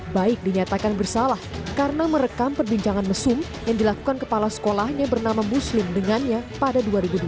baik dinyatakan bersalah karena merekam perbincangan mesum yang dilakukan kepala sekolahnya bernama muslim dengannya pada dua ribu delapan